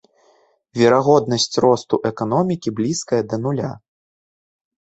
Верагоднасць росту эканомікі блізкая да нуля.